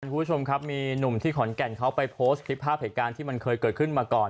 คุณผู้ชมครับมีหนุ่มที่ขอนแก่นเขาไปโพสต์คลิปภาพเหตุการณ์ที่มันเคยเกิดขึ้นมาก่อน